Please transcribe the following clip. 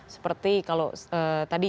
seperti kalau tadi